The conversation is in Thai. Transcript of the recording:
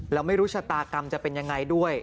แล้วไม่รู้ชะตากรรมจะเป็นยังไงด้วย